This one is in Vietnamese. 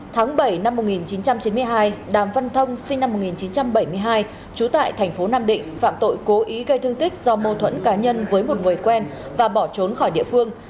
tháng bảy năm một nghìn chín trăm chín mươi hai đàm văn thông sinh năm một nghìn chín trăm bảy mươi hai trú tại thành phố nam định phạm tội cố ý gây thương tích do mâu thuẫn cá nhân với một người quen và bỏ trốn khỏi địa phương